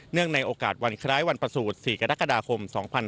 ในโอกาสวันคล้ายวันประสูจน์๔กรกฎาคม๒๕๕๙